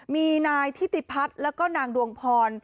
มีนายทิติพัฒน์แล้วก็นางดวงพร